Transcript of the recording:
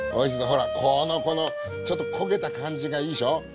ほらこのこのちょっと焦げた感じがいいでしょう？